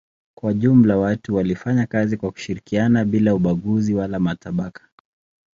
Kwa jumla watu walifanya kazi kwa kushirikiana bila ubaguzi wala matabaka.